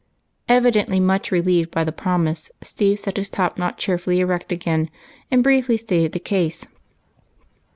Evidently much relieved by the promise, Steve set his top knot cheerfully erect again, and briefly stated the case.